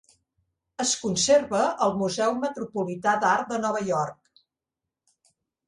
Es conserva al Museu Metropolità d'Art de Nova York.